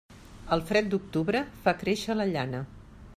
El fred d'octubre fa créixer la llana.